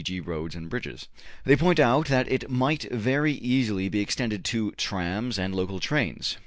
g., roads and bridges. They point out that it might very easily be extended to trams and local trains.